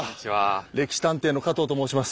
「歴史探偵」の加藤と申します。